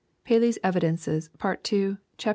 (PaJey's EvidenC'. s. Part 2. chap.